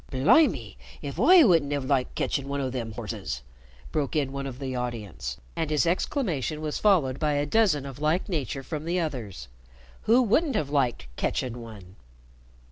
"Blimme, if I wouldn't 'ave liked ketchin' one o' them 'orses," broke in one of the audience, and his exclamation was followed by a dozen of like nature from the others. Who wouldn't have liked "ketchin' one"?